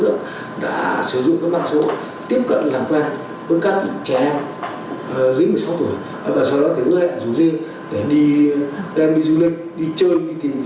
để đi đem đi du lịch đi chơi đi tìm vụ làm